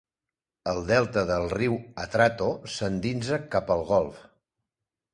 El delta del riu Atrato s'endinsa cap al golf.